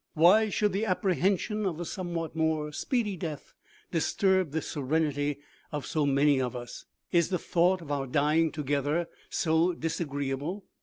Why should the apprehension of a somewhat more speedy death disturb the serenity of so many of us? Is the thought of our dying together so disagreeable?